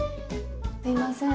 すいません。